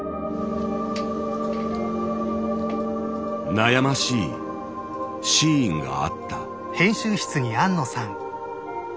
悩ましいシーンがあった。